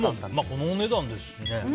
このお値段ですしね。